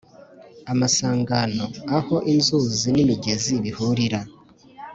amasangano: aho inzuzi n’imigezi bihurira